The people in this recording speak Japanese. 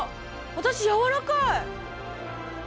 私やわらかい！